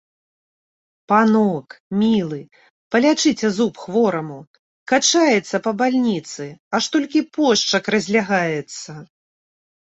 Панок, мілы, палячыце зуб хвораму, качаецца па бальніцы, аж толькі пошчак разлягаецца.